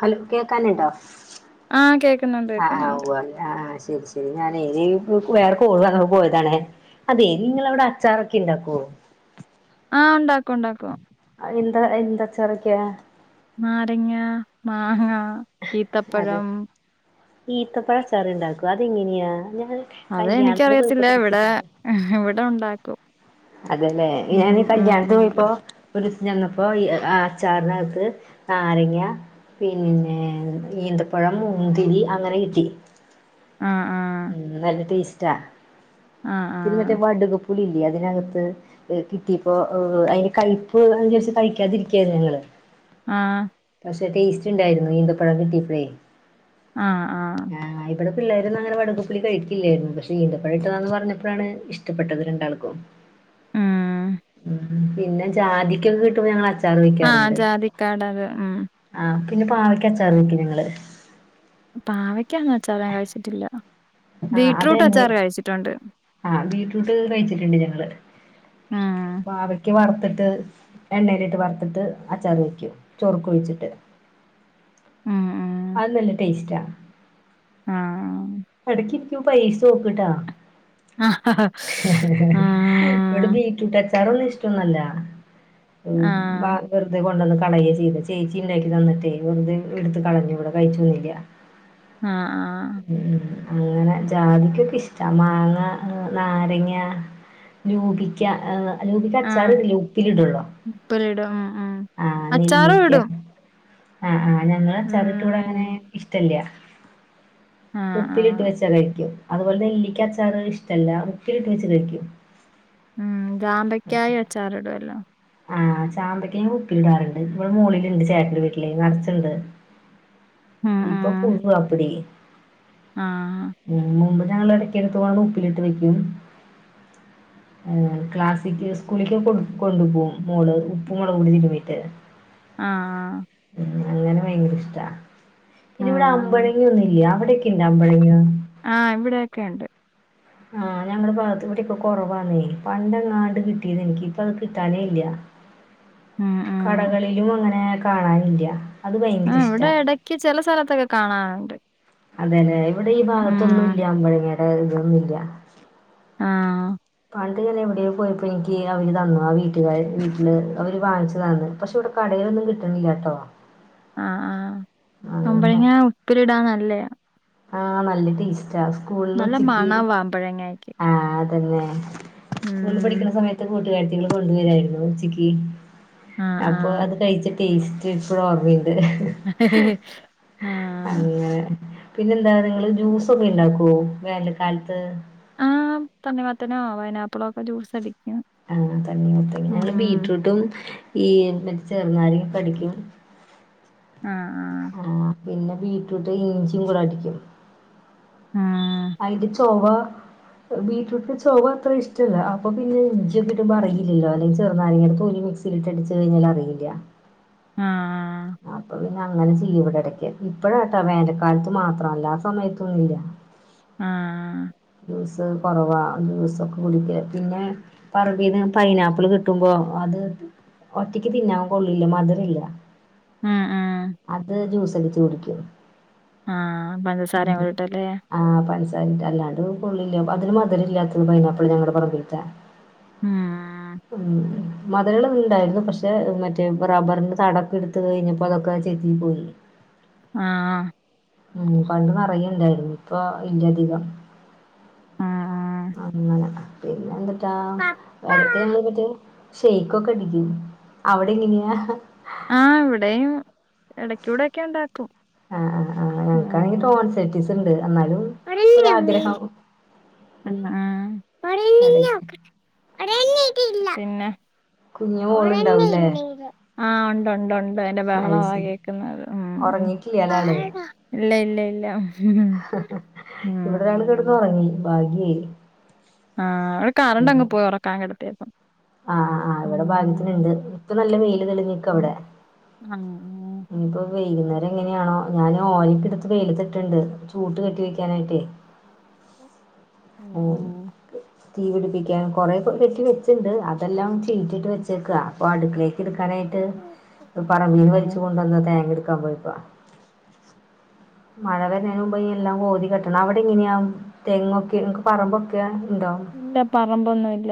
Hello കേക്കാനിണ്ടോ ആഹ് കേക്കുന്നുണ്ട് ആഹ് ആഹ് കേക്കുന്നുണ്ട്. ഉവ്വ് ആഹ് ആഹ് ശരി ശ രി ഞാനേ ദേ ഇപ്പൊ വേറെ കോളുവന്നപ്പോ പോയതാണെ അതേ നിങ്ങളവിടെ അച്ചാറൊക്കെ ഇണ്ടാക്കോ ആഹ് ഒണ്ടാക്കും ഒണ്ടാക്കും എന്താ എന്തച്ചാറൊക്കെയാ നാരങ്ങ മാങ്ങ അതെ ഈത്തപ്പഴം ഈത്തപ്പഴം അച്ചാറ് ഇണ്ടാക്കും അതെങ്ങിനെയാ ഞാന് അത് എനിക്കറിയത്തില്ല ഇവിടേ ഇവിടൊണ്ടാക്കും. അതേല്ലേ ഞാനീ കല്യാണത്തിന് ഉം പോയപ്പോ ഉരുസം ചെന്നപ്പോ ഈ ആ ആച്ചാറ് നത്ത് നാരങ്ങ പിന്നെ ഈന്തപ്പഴം, മുന്തിരി അങ്ങനെ കിട്ടി. ആഹ് ആഹ്. ഉം നല്ല ടേസ്റ്റാ. ആഹ് ആ. പിന്നെ മറ്റേ വട്ക് പുളില്ലേ അതിനകത്ത്. ഏ കിട്ടിയപ്പോ അയ്ന് കൈപ്പ് വിച്ചാ രിച്ച് കഴിക്കാതിരിക്ക്യാരുന്നു ഞങ്ങള്. ആഹ്. പക്ഷെ ടേസ്റ്റ് ഇണ്ടായിരുന്നു ഈന്തപ്പഴം കിട്ടിയപ്പഴേ. ആഹ് ആ. ആ ഇവിടെ പിള്ളേരൊന്നും അങ്ങനെ വടകപുളി കഴിക്കില്ലായിരുന്നു പക്ഷെ ഈന്തപ്പഴ ഇട്ടതാന്ന് പറഞ്ഞപ്പോഴാണ് ഇഷ് ടപ്പെട്ടത് രണ്ടാൾക്കും. മ്. പിന്നെ ജാതിക്ക്യോക്കെ കിട്ടുമ്പോ ഞങ്ങള് അച്ചാറ് ആഹ് വെക്ക്യാറ്ണ്ട്. ജാതിക്കാട് അത് ഉം ആ പിന്നെ പാവയ്ക്ക് അച്ചാറ് വെ ക്കും ഞങ്ങള്. പാവയ്ക്കാന്ന ച്ചാറ് ഞാൻ കഴിച്ചിട്ടില്ല. ആ ബീറ്റ്റൂട്ട് അതന്നെ അച്ചാറ് കഴിച്ചിട്ടുണ്ട്. ആ ബീട്റൂട്ട് കഴിച്ചിട്ടുണ്ട് ഞങ്ങള്. ഉം പാവ ക്യാ വറ്ത്ത്ട്ട് എണ്ണേല്ട്ട് വറുത്ത്ട്ട് അച്ചാറൊയ്ക്കും ചോറ്ക്ക് ഒഴിച്ചിട്ട്. ഉം ഉം അത് നല്ല ടേസ്റ്റാ. ആഹ്. എടക്കിരിക്കുമ്പോ പരീസ്ച്ചോക്ക് ട്ടോ. ആ ആ. ഇവ്ടെ ബീട്രൂടച്ചാറൊന്നും ഇഷ്ടൊന്നല്ല ആഹ് പാ ആഹ് വെർതെ കൊണ്ടന്ന് കളയേ ചെയ്ത് ചേച്ചി ഇണ്ടാക്കി തന്നിട്ടേ വെർതെ എട്ത്ത് കളഞ്ഞു ഇവിടെ കഴിച്ചൊന്നുല്ല. ആഹ് ആഹ്. ഉം അങ്ങനെ ജാതിക്കൊക്കെ ഇഷ്ടാ മാങ്ങ, നാരങ്ങ രൂപിക്ക ലൂപ്പിക്ക ആഹ് അച്ചാറ് ഇടില്ല്യ ഉപ്പില് ടൊളു ഉപ്പിലിടും ഉം ഉം ആ അച്ചാറും നെല്ലിക്ക്യ. ഇടും ആഹ് ആഹ് ഞങ്ങള് ഉം അച്ചാറിട്ട ഇ എൻ വിടങ്ങനെ ഇഷ്ടല്ല്യ. ആഹ്. ഉപ്പിലിട്ട് ആഹ് വെച്ചാ കഴിക്കും അതുപോലെ നെല്ലിക്കച്ചാറ് ഇഷ്ടല്ല ഉപ്പിലിട്ട് വെച്ച് കഴിക്കും ഉം ജാമ്പയ്ക്കായും അച്ചാറ്ടല്ലോ. ആഹ് ചാമ്പയ്ക്കയും ഉപ്പിലി ടാറ്ണ്ട് ഇവ്ടെ മോളളില്ണ്ട് ചേട്ടന്റെ വീട്ട്ലെ നർച്ചുണ്ട്. ഉം ഉം ഇപ്പൊ [unintelligible] അപിടി. ആഹ്. മുമ്പ് ഞങ്ങള് എടയ്ക്ക്ട്ത്താണ്ട് ഉപ്പിലിട്ട് വെക്കും. ക്ലാസ്സിക്ക് സ്കൂളിക്ക് കൊ കൊണ്ട് പോവും. മോള് ഉപ്പും മോളകും [unintelligible] ആഹ്. ഉ അങ്ങനെ ഭയങ്കര ഇഷ്ടാ ഇനി ഇവിടെ ഉം അമ്പളഴങ്ങ ഒന്നുല്ലെ അവിടെക്കെ [unintelligible] ആ ഇവിടെക്കെ ഉണ്ട്. ആ ഞങ്ങടെ ഭാഗത്ത് ഇവിടെക്കെ കുറവാന്നേ പണ്ടെങ്ങാണ്ട് കിട്ടിനി എനിക്ക് ഇപ്പ അത് കിട്ടാനേ ഇല്ല. ഉം ഉം കടകളിലും അങ്ങനെ കാണാനില്ല. അത് ആ ഭയങ്കര ഇവിടെ ഇഷ്ടാ എടക്ക് ചെല സ്ഥലത്തൊക്കെ കാണറ്ണ്ട്. അതെല്ലെ ഇവിടെ ഈ ഭാഗത്തൊന്നും ഇല്ല അമ്പഴങ്ങയുടെ ഇതൊന്നുംല്ല. ആഹ്. പണ്ട് ഞന്നെ എവിടെയോ പോയപ്പോ എനിക്ക് അവര് തന്നതാ ആ വീട്ടുകാര് വീട്ടില് അവർ വാങ്ങിച്ചു തന്ന് പക്ഷെ ഇവ്ടെ കടയിലൊന്നും കിട്ടണില്ല കേട്ടോ ആഹ് ആഹ് അമ്പഴേങ്ങ ഉപ്പില ഇടാന്നല്ലേ ആഹ് നല്ല ടേസ്റ്റ് നല്ല മണം അമ്പഴങ്ങായിക്ക് ആഹ് അതന്നെ ആഹ് അപ്പൊ ആഹ് അത് കഴിച്ച ടേസ്റ്റ് ഇപ്പോഴും ഓർമ്മയുണ്ട് ആഹ് [unintelligible] പിന്നെ എന്താ നിങ്ങള് ജ്യൂസൊക്കെ ഇണ്ടാക്കുവോ വേനൽക്കാലത്ത് ആഹ് തണ്ണിമത്തനോ പൈനാപ്പിളോ ഒക്കെ ജ്യൂസടിക്കും ആഹ് തണ്ണിമത്തൻ ഞങ്ങള് ബീട്രൂട്ടും ഈ മറ്റെ ചെറുനാരങ്ങയൊക്കെ അടിക്കും ആഹ് ആ പിന്നെ ബീറ്റ്റൂട്ട് ഇഞ്ചി കൂടെ അടിക്കും ആഹ് അയി ന്റെ ചോവ ബീറ്റ്റൂട്ടിന്റെ ചോവ അത്ര ഇഷ്ടല്ല അപ്പൊ പിന്നെ ഇഞ്ചിയൊക്കിട്ട് അറിയില്ലാല്ലോ അല്ലങ്കി ചെറുനാരങ്ങടെ തൊലി സിലിട്ടടിച്ച് കഴിഞ്ഞാൽ അറിയില്ല [unintelligible] ആഹ് അപ്പൊ പിന്നെ അങ്ങനെ ചെയ്യും ഇവിടെ ഇടക്ക് ഇപ്പഴാട്ടാ വേനൽക്കാലത്ത് മാത്രം അല്ലാത്ത സമയത്തൊന്നുല്ല ആഹ് കുറവ ജൂസൊക്കെ കുടിക്ക പിന്നെ പറമ്പീന്ന് പൈനാപ്പിൾ കിട്ടുമ്പോ അത് ഒറ്റക്ക് തിന്നാൻ കൊള്ളില്ല മധുരല്ല അഹ് ആഹ് അത് ജ്യൂസ് അടിച്ച് കുടിക്കും ആഹ് പഞ്ചസാരയും കൂടെ ഇട്ടല്ലേ ആഹ് പഞ്ചസാര ഇട്ട് അല്ലാണ്ട് കൊള്ളില്ല അതിന് മധുരമില്ലാത്തത് പൈനാപ്പിൾ ഞങ്ങളുടെ പറമ്പിലത്തെ ഉം ഉം മധുരോള്ളത് ഉണ്ടായിരുന്നു പക്ഷെ മറ്റേ റബറിന്റെ തടം എടുത്ത് കഴഞ്ഞപ്പൊ അതൊക്കെ ചെത്തി പോയി ആഹ് ഉം പണ്ട് നറയെ ഇണ്ടായിരുന്നു ഇപ്പ ഇല്ലധികം ആഹ് അങ്ങനെ പിന്നെ എന്തുട്ടാ ഇടക്ക് ഞങ്ങള് മറ്റേ ഷെയ്ക്കൊക്കെ അടിക്കും അവിടെ എങ്ങനെയാ ആഹ് ഇവിടെയും ഇടക്ക് ഇവിടൊക്കെ ഉണ്ടാക്കും ആഹ് ആഹ് ആഹ് എനക്കാണെങ്കിൽ ഉം ടോൺസെറ്റീസ് ഉണ്ട് എന്നാലും ഒരാഗ്രഹം ആഹ് എടക്ക് പിന്നെ കുഞ്ഞു ഓ മോളുണ്ടാവൂല്ലേ ആഹ് ഉണ്ട് ഉണ്ട് അതിന്റെ അത് ബഹലോണ് ശരി കേക്ക് ഉം ഉം ഉറങ്ങിട്ടില്ല ലെ ആള് ഇല്ല ഇല്ല ഇല്ല ഇവിടെ ഒരാള് കിടന്ന് ഉം ഉറങ്ങി ഭാഗ്യായി ആഹ് ഇവിടെ കറണ്ടങ്ങ് പോയി ഉറക്കാൻ കിടത്തിയപ്പം ആഹ് ആഹ് ഇവിടെ ഭാഗ്യത്തിനുണ്ട് ഇപ്പൊ നല്ല വെയില് തെളിഞ്ഞിക്ക ഉം അവിടെ ആഹ് വൈകുന്നേരം എങ്ങനെയാണോ ഞാൻ ഓലക്കേ എടുത്ത് വെയിലത്തിട്ടിട്ടുണ്ട് ചൂട്ട് കെട്ടി വെക്കാനായിട്ട് ഉം ഉം തീ പിടിപ്പിക്കാൻ കൊറെ ഒക്കെ കെറ്റി വെച്ചിണ്ട് അതെല്ലാം ചീറ്റിട്ട് വെച്ചേക്ക അപ്പൊ അടുക്കലേ എടുക്കാനായിട്ട് പറമ്പീന്ന് ആഹ് വലിച്ചു കൊണ്ടന്നാ തേങ്ങ എടുക്കാൻ പോയിപ്പോ മഴ വരുന്നതിന് മുമ്പ് എല്ലാം കോതി കെട്ടണം അവിടെ ഇങ്ങനെയാ തെങ്ങൊക്കെ പറമ്പൊക്കെ ഉണ്ടോ ഇല്ല പറമ്പൊന്നും ഇല്ല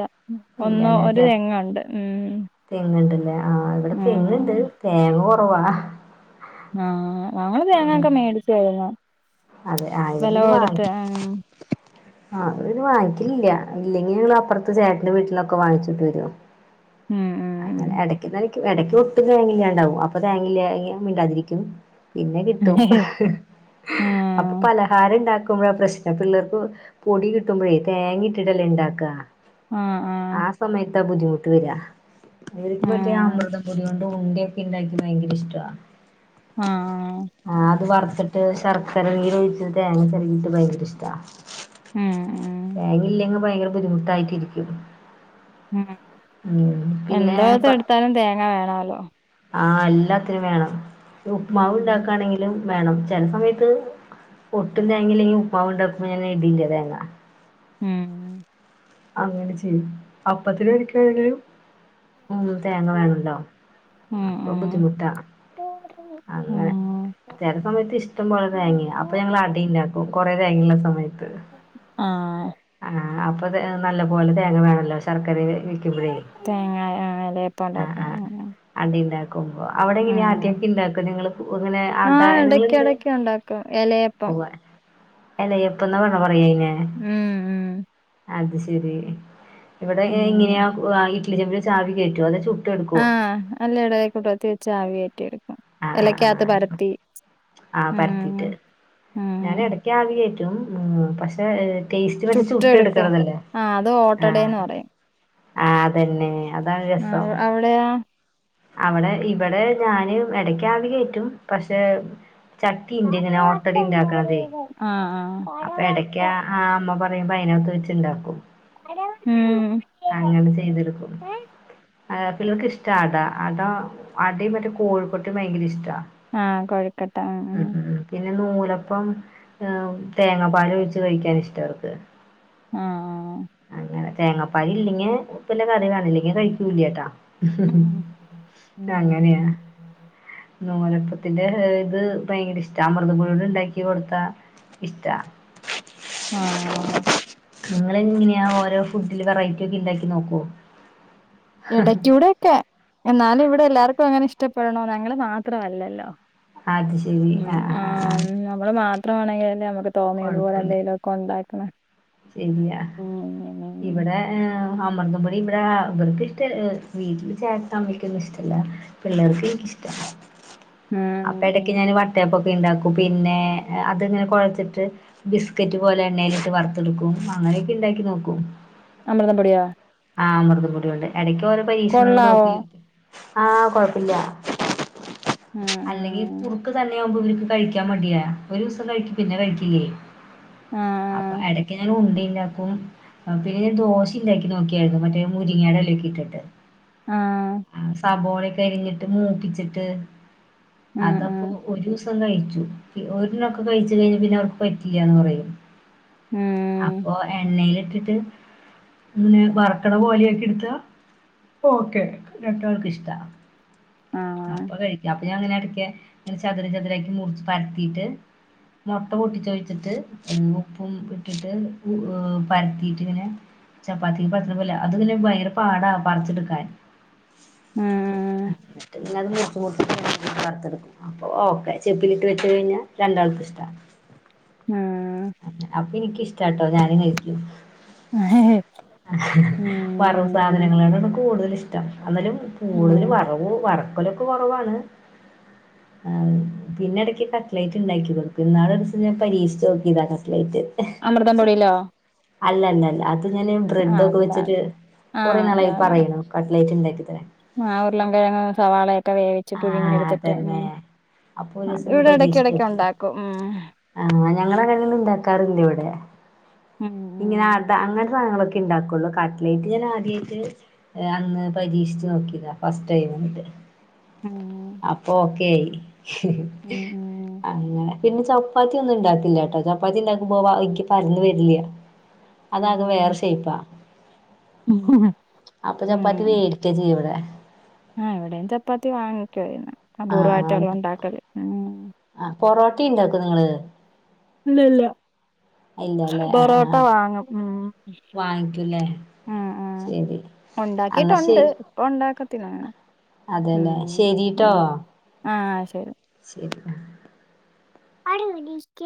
ഒന്ന് ഒരു തെങ്ങ ഉണ്ട് ഉം തെങ്ങിണ്ടല്ലേ ആഹ് ഇവിടെ തെങ്ങിണ്ട് ഉം തേങ്ങ കൊറവാ ആഹ് ഞങ്ങള് തേങ്ങൊക്കെ മേടിച്ചാരുന്നു അതെ ആഹ് ഇവിടെ നിന്ന് വാങ്ങിക്ക ഉം ആഹ് ഇവിടെ പിന്നെ വാങ്ങിക്കലില്ല ഇല്ലെങ്കി ഞങ്ങളു അപ്പുറത്ത് ചേട്ടന്റെ വീട്ടിലൊക്കെ വാങ്ങിച്ചിട്ട് വരും ഉം ഉം അങ്ങനെ [unintelligible] എടക്ക് ഒട്ടും തേങ്ങില്ലാണ്ടാവും അപ്പൊ തേങ്ങില്ലാ മിണ്ടാതിരിക്കും പിന്നെ കിട്ടും ഉം അപ്പം ആഹ് പലഹാരം ഇണ്ടാക്ക്മ്പോഴാ പ്രശ്നം പിള്ളേർക്ക് പൊടി കിട്ടുമ്പാഴേ തേങ്ങാ ഇട്ടാല്ലേ ഇണ്ടാക്ക്യാ ആഹ് സമയത്താ ബുദ്ധിമുട്ട് വെര്യാ ഇവരക്ക് മറ്റേ ആഹ് അമൃതപൊടിയോ ണ്ട് ഉണ്ടയ്യേക്കെ ഇണ്ടാക്ക്ന്നാ ബയങ്കര ഇഷ്ടവ്യാ ആഹ് ആഹ് ആഹ് അത് വറ്ത്തിട്ട് ശർക്കര നീര് ഒഴിച്ചട്ട് തേങ്ങ ചേരാകിട്ട് ഭയങ്കര ഇഷ്ടാ ഉം ഉം തേങ്ങാ ഇല്ലെങ്കി ഭയങ്കര ബുദ്ധിമുട്ടായിരിക്കും ഉം പ എന്തെട്ത്താലും തേങ്ങ വേണല്ലോ ആഹ് എല്ലാത്തിനും വേണം ഉപ്പ് ഉം മാവ് ഒണ്ടാക്ക്യായാണെങ്കിലും വേണം ചെല സമയത്ത് ഒട്ടും തേങ്ങാ ഇല്ലാങ്കി ഉപ്പാവാ ഇണ്ടാക്ക്മ്പോ ഞാന് ഇടില്ലാ തേങ്ങാ ഉം അങ്ങനെ ചെയ്യും അപ്പത്തിന് [unintelligible] ഉം തേങ്ങ വേണാല്ലൊ ഉം ഉം ബുദ്ധിമുട്ടാ അങ്ങനെ ഉം ചെല സമയത്ത് ഇഷ്ടം പോലെ തേങ്ങ്യായ അപ്പം ഞങ്ങള് അടാ ഇണ്ടാക്കും കുറേ തേങ്ങയുള്ളാ സമയത്ത് ആഹ് ആഹ് അപ്പൊ നല്ലാ പോലെ തേങ്ങാ വേണല്ലോ ശർക്കര ഇ തേങ്ങാ ആഹ് എലായപ്പം ഒണ്ടാക്കാന് ഉം ഉം അടേ ഇണ്ടാക്കും അവടെ എങ്ങനെ ആടേക്ക്യാ ഇണ്ടാക്കേ നിങ്ങള് ഇങ്ങനെ ആടാ നിങ്ങള് എന്ത് എലയപ്പം എലയപ്പം എന്നാ പറയ അയ്ന് ഉം ഉം അത് ശേരി ഉം [unintelligible] [unintelligible] ആഹാ [unintelligible] വെച്ച് ആവി കേറ്റി എടുക്കും ആഹ് ആഹ് ഇലക്ക്യാത്ത് ആഹ് പരത്തി ആഹ് ഉം പരത്തിട്ട് ഞാൻ ഉം എടക്ക്യാ ആവി കേറ്റും ഉം പശേ ടേസ്റ്റ് മറ്റേ ചുട്ട് ചുട്ടെടുക്കും എടുക്കണതാല്ലേ ആഹ് അത് ഓട്ടടേന്ന് ആഹ് പറയും അതേന്നെ അതാ ഒര് ആ രേസം അവിടെയാ അവടെ ഇവടെ ഞാനും എടക്ക് ആവി കേറ്റും പശേ ചട്ടി ഇണ്ട് ഇങ്ങനെ ആഹ് ഓട്ടടാ ഇണ്ടാക്കണതെ അപ്പൊ ആഹ് എടക്ക്യയാ ആഹ് അമ്മ പറ്മ്പം അയിനത്ത് വെച്ച് ഇണ്ടാക്കും ഉം അങ്ങനെ ചെയ്തെടുക്കും പിള്ളേർക്ക് ഇഷ്ടാ അടാ അടാ അടേയും മറ്റേ [unintelligible] ഭയങ്കര ഇഷ്ട്യാ ആഹ് കൊ ഉം ഉം പിന്നെ നൂലപ്പം തേങ്ങാ പാല് ഒഴിച്ച് കഴിക്കാൻ ഇഷ്ട്യാ അവർക്ക് ആഹ് ആഹ് തേങ്ങാപ്പാല് ഇല്ലാങ്ങേ പിന്നെ കറി വേണം ഇല്ലെങ്കി കഴിക്കൂല്ലാട്ടാ ഉം ഉം അങ്ങന്യയാ നൂലാപ്പത്തിന്റെ ഇത് ഇഷ്ടാ അമൃതം പൊടികൊണ്ട് ഇണ്ടാക്കി കൊടുത്താ ഇഷ്ട്യാ ആഹ് നിങ്ങള് എങ്ങന്യയാ ഓരോ ഫുഡില് വെറൈറ്റി ഒക്കെ ഇണ്ടാക്കി നോക്ക്യോ എടക്കൂടെക്കെ എന്നാലും ഇവടെ എല്ലാർക്കും അങ്ങനെ ഇഷ്ടപ്പെടണോ ഞങ്ങള് മാത്രം അല്ലാല്ലോ അത് ശരി ഉം ആ ആ ആ ആ ആഹ് നമ്മള് മാ എത്ര വേണെങ്കിലും ഇനി നമ്മക്ക് തോന്നിയതുപോലെ കൊഴപ്പല്ല എന്തെങ്കിലും ഒക്കെ ഒണ്ടാക്കണേ ശരിയാ ഇവടെ ഏഹ് അമൃതംപൊടി ഇവടെ ഇവർക്ക് ഇഷ്ട ഏഹ് വീട്ടില് ചേട്ടനും അമ്മാക്കൊന്നും ഇഷ്ട്ടല്ലാ പിള്ളേർക്കു എനിക്കും ഇഷ്ട്ടാ ഉം അപ്പ ഉം എടക്ക് ഞാന് വട്ടയപ്പൊക്കെ ഒക്കെ ഇണ്ടാക്കും പിന്നെ അതിങ്ങനെ കൊഴച്ചിട്ട് ബിസ്ക്കറ്റ് പോലെ എണ്ണയിലിട്ട് വറക് ത്തെടുക്കും അങ്ങനെയൊക്കെ ഇണ്ടാക്കി നോക്കും അമൃതം പൊടിയോ ആഹ് അമൃതപൊടി കൊണ്ട് എടയ്ക്ക് ഓരോ പരീക്ഷണങ്ങൾ കൊള്ളാവോ നോക്കി നോക്കും ആഹ് കൊഴപ്പില്ല ആഹ് ആഹ് അല്ലെങ്കിൽ കുറുക്ക് തന്നെയാവുമ്പോ ഇവർക്ക് കഴിക്കാൻ മടിയാ ഒരു ദിവസം കഴിക്കും പിന്നെ കഴിക്കില്ലേ അപ്പ ആഹ് എടക് ഉണ്ട ഇണ്ടാക്കും പിന്നെ ഞാൻ ദോശ ഇണ്ടാക്കി നോക്കിയായിരുന്നു മറ്റേ മുരിങ്ങടെ എലയെക്കെ ഇട്ടിട്ട് ആഹ് സബോളയെക്കെ അരിഞ്ഞിട്ട് മൂപ്പിച്ചിട്ട് ഉം അതാ ഉം ഒരൂസം കഴിച്ചു ഒരണൊക്കെ കഴിച്ച് കഴിഞ്ഞ് പിന്നെ അവർക്ക് പറ്റില്ലാന്ന് പറയും ഉം അപ്പൊ എണ്ണയിലിട്ടിട്ട് ഇങ്ങനെ വർക്കണ പോലെയാക്കി എടുത്താ ഓക്കേ രണ്ടാൾക്കും ഇഷ്ട്ടാ ആഹ് അപ്പൊ കഴിക്കും അപ്പൊ ഞാൻ ഇങ്ങനെ എടക്ക് ഇങ്ങനെ ചതുരം ചതുരാക്കി മുറിച് പരത്തീട്ട് മൊട്ട പൊട്ടിച്ച് ഒഴിച്ചിട്ട് ഏഹ് ഉപ്പും ഇട്ടിട്ട് ഊ പരത്തിയിട്ട് ഇങ്ങനെ ചപ്പാത്തിക്ക് പരത്തണ പോലെ അത് പിന്നെ ഭയങ്കര പാടാ പറിച്ചെടുക്കാൻ ഉം [unintelligible] മൂപ്പിച്ച് വറത്തെടുക്കും അപ്പോ ഓക്കെ ചെപ്പിലിട്ട് വെച്ച് കഴിഞ്ഞാ രണ്ടാൾക്കും ഇഷ്ട്ടാ ആഹ് അങ്ങനെ അപ്പൊ എനിക്കിഷ്ട്ടാട്ടോ ഞാനും കഴിക്കും ആ വറവ് സാധനങ്ങളാണ് [unintelligible] കൂടുതൽ ഇഷ്ടം എന്നാലും കൂടുതൽ ഉം വറവ് വറക്കലൊക്കെ കൊറവാണ് ആഹ് പിന്നെ എടക്ക് കട്ലേറ്റ് ഇണ്ടാക്കി കൊടുക്കും ഇന്നാള് ഒരീസം ഞാൻ പരീക്ഷിച്ച് നോ ഇതാ കട്ലൈറ്റ് അമൃതം പൊടിയിലോ? അല്ലല്ല അല്ല അത് ഞാൻ ആഹ് ബ്രെഡൊക്കെ വെച്ചിട്ട് അല്ലാതെ കൊറെ ആഹ് നാളായി അല്ലാതെ പറയണു കട്ലൈറ്റ് ഇണ്ടാക്കി തരാൻ ആ ഉരുളൻ കെഴങ്ങ് സവാളയൊക്കെ വേവി ച്ച് പുഴുങ്ങി ആഹ് എടുത്തിട്ട് അതന്നെ ഉം അപ്പൊ ഒരു അത് ദിവസം ഒന്ന് ഇവിടെ എടക്ക് പരീക്ഷിച്ച് എടക്ക് നോക്കി ഉണ്ടാക്കും ഉം ആഹ് ഞങ്ങളെ അങ്ങനെയെല്ലം ഇണ്ടാക്കാറുണ്ട് ഇവിടെ ഉം ഇങ്ങനെ അത് അങ്ങനത്തെ സാധനങ്ങളൊക്കെ ഇണ്ടാക്കുള്ളൂ കട്ട്ലറ്റ് ഞാൻ ആദ്യായിട്ട് ഏഹ് അന്ന് പരീക്ഷിച്ച് നോക്കിയതാ ഫസ്റ്റ് ടൈം എന്നിട്ട് ഉം അപ്പൊ ഓക്കെ ആയി ഉം അങ്ങനെ പിന്നെ ചപ്പാത്തി ഒന്നും ഇണ്ടാക്കില്ലാട്ടോ ചപ്പാത്തി ഇണ്ടാക്കുമ്പോ പ എനിക്ക് പരന്ന് വരില്ല അതാകെ വേറെ ഉം ഷെയ്പ്പാ ഉം ഉം അപ്പ ചപ്പാത്തി വേ [unintelligible] ഇവടെ ആഹ് ഇവിടേം ചപ്പാത്തി വാങ്ങിക്കുവാ ചെയ്യുന്നെ ആഹ് അപൂർവായിട്ടെ ആഹ് ഒള്ള് ഒണ്ടാക്കല് ഉം ആഹ് പൊറോട്ടയും ഇണ്ടാക്കുവോ നിങ്ങള് ഇല്ല ഇല്ല ഇല്ലല്ലേ ആഹ് പൊറോട്ട ആഹ് വാങ്ങും ഉം വാങ്ങിക്കൂല്ലേ ശരി അന്നാ ഒണ്ടാക്കീട്ടൊണ്ട് ശരി ഇപ്പൊ ഒണ്ടാക്കത്തില്ല അങ്ങനെ അതെല്ലേ ഉം ശരിട്ടോ ഉം ആ ശരി [inaudible]